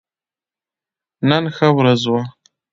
نن ښه ورځ وه